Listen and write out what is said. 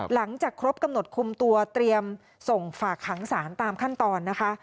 หลังจากครบกำหนดคุมตัวเตรียมส่งฝากขังสารตามขั้นตอนนะคะ